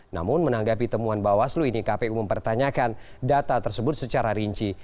namun menanggapi temuan bawaslu ini kpu mempertanyakan data tersebut secara rinci